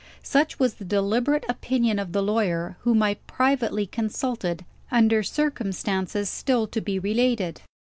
Such was the deliberate opinion of the lawyer whom I privately consulted, under circumstances still to be related.